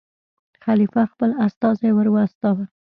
خلیفه خپل استازی ور واستاوه.